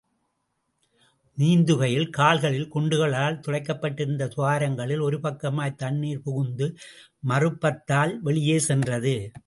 நீந்துகையில் கால்களில் குண்டுகளால் துளைக்கப்பட்டிருந்த துவாரங்களில் ஒரு பக்கமாய்த் தண்ணிர் புகுந்து மறுப்பத்தால் வெளியே சென்றது.